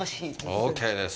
オーケーです。